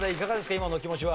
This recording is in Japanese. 今のお気持ちは。